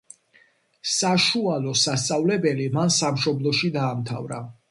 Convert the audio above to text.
საშუალო სასწავლებელი მან სამშობლოში დაამთავრა.